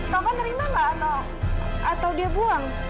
bapak nerima nggak atau dia buang